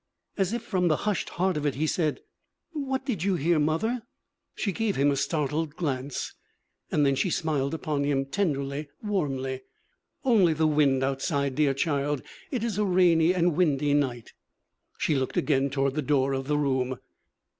As if from the hushed heart of it, he said, 'What did you hear, mother?' She gave him a startled glance, and then she smiled upon him, tenderly, warmly. 'Only the wind outside, dear child. It is a rainy and windy night.' She looked again toward the door of the room.